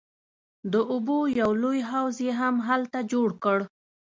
د اوبو یو لوی حوض یې هم هلته جوړ کړ.